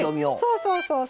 そうそうそうそう。